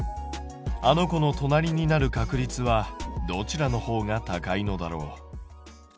あの子の隣になる確率はどちらの方が高いのだろう？